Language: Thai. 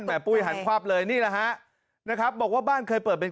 ปุ้ยหันควับเลยนี่แหละฮะนะครับบอกว่าบ้านเคยเปิดเป็น